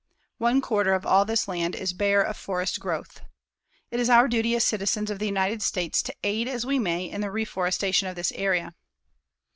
One quarter of all this land is bare of forest growth. It is our duty as citizens of the United States to aid as we may in the reforestation of this area.